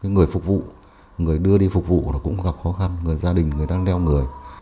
người phục vụ người đưa đi phục vụ cũng gặp khó khăn người gia đình người ta đeo người